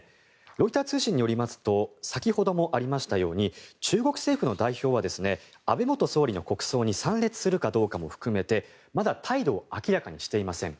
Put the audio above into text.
ロイター通信によりますと先ほどもありましたように中国政府の代表は安倍元総理の国葬に参列するかどうかも含めてまだ態度を明らかにしていません。